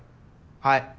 はい。